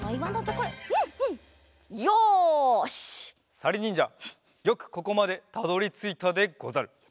さりにんじゃよくここまでたどりついたでござる。